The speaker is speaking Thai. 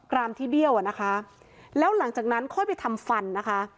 รามที่เบี้ยวอ่ะนะคะแล้วหลังจากนั้นค่อยไปทำฟันนะคะ